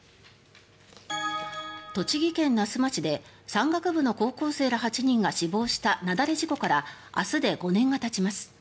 栃木県那須町で山岳部の高校生ら８人が死亡した雪崩事故から明日で５年がたちます。